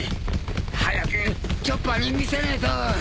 早くチョッパーにみせねえと！